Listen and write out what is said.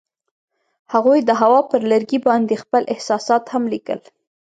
هغوی د هوا پر لرګي باندې خپل احساسات هم لیکل.